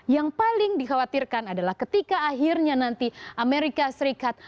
yang paling dikhawatirkan adalah ketika akhirnya nanti amerika serikat